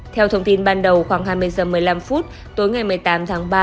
theo thông tin ban đầu khoảng hai mươi h một mươi năm phút tối ngày một mươi tám tháng ba